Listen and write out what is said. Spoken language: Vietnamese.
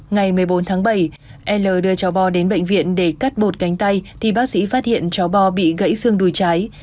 ngày một mươi bốn tháng bảy l đưa cháu bo đến bệnh viện để cắt bột cánh tay thì bác sĩ phát hiện cháu bo bị gãy xương đùi trái